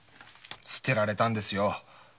捨てられたんですよ。